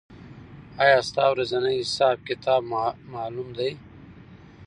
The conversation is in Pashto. آیا ستا ورځنی حساب کتاب معلوم دی؟